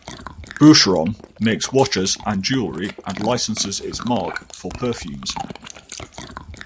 Boucheron makes watches, and jewellery, and licenses its marque for perfumes.